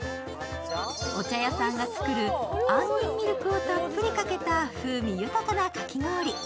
お茶屋さんが作るあんにんミルクをたっぷりかけた風味豊かなかき氷。